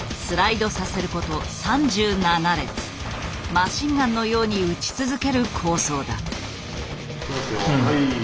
マシンガンのように撃ち続ける構想だ。